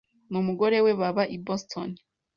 n'umugore we baba i Boston.